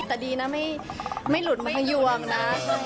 แต่ดีนะไม่หลุดไม่ยวงนะ